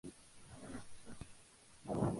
Crece en la arena, en suelos de laterita.